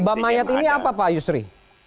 bam mayat ini apa pak yusri